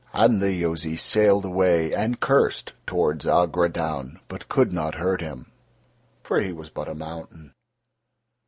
And the Yozis sailed away and cursed towards Agrodaun, but could not hurt him, for he was but a mountain.